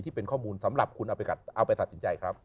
ที่เป็นข้อมูลสำหรับคุณเอาไปตัดสินใจครับ